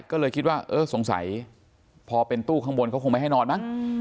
ก็เลยคิดว่าเออสงสัยพอเป็นตู้ข้างบนเขาคงไม่ให้นอนมั้ง